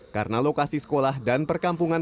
karena lokasi sekolah dan perkampungan